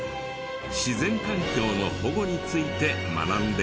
自然環境の保護について学んでいるとか。